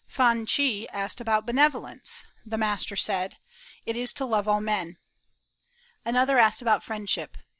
Fan Chi asked about benevolence; the master said: "It is to love all men." Another asked about friendship.